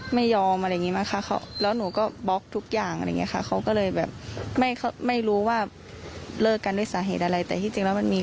มาตั้งนานแล้วอะไรอย่างนี้